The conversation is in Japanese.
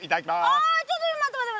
あちょっと待った待った。